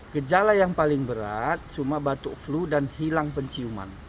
gejala yang paling berat cuma batuk flu dan hilang penciuman